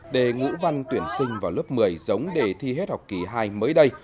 đề ngũ văn tuyển sinh vào lớp một mươi giống đề thi hết học kỳ hai mới đây